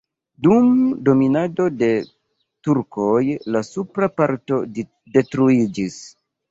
Dum dominado de turkoj la supra parto detruiĝis.